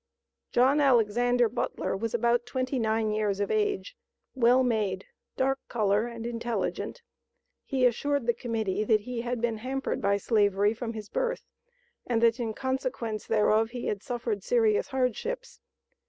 John Alexander Butler was about twenty nine years of age, well made, dark color, and intelligent. He assured the Committee that he had been hampered by Slavery from his birth, and that in consequence thereof he had suffered serious hardships.